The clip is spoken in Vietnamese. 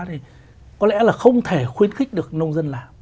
thì có lẽ là không thể khuyến khích được nông dân làm